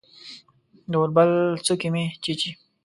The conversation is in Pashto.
د اوربل څوکې مې چیچي